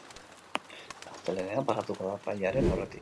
Astelehenean pasatuko da epailearen aurretik.